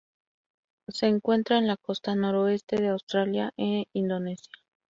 Se encuentra en la costa noroeste de Australia e Indonesia.